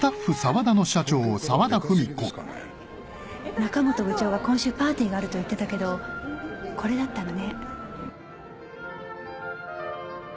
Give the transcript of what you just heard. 中本部長が今週パーティーがあると言ってたけどこれだったのね。